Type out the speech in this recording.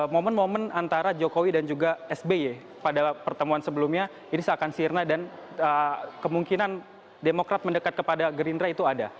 momen momen antara jokowi dan juga sby pada pertemuan sebelumnya ini seakan sirna dan kemungkinan demokrat mendekat kepada gerindra itu ada